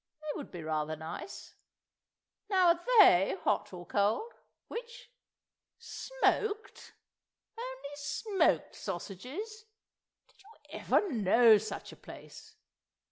They would be rather nice. Now are they hot or cold, which? ... Smoked?? Only smoked sausages?? Did you ever know such a place!